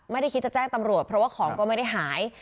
ไม่ได้คิดจะแจ้งตำรวจเพราะว่าของก็ไม่ได้หาย